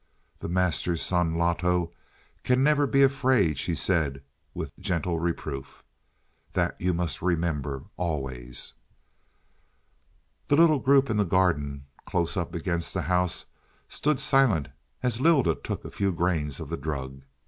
"The Master's son, Loto, never can he be afraid," she said with gentle reproof. "That must you remember always." The little group in the garden close up against the house stood silent as Lylda took a few grains of the drug.